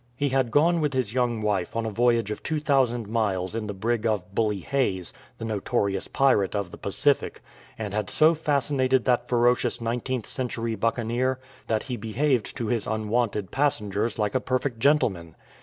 He had gone with his young wife on a voyage of 2000 miles in the brig of " Bully Hayes," the notorious pirate of the Pacific, and had so fascinated that ferocious nine teenth century buccaneer that he behaved to his unwonted passengers like a perfect gentleman.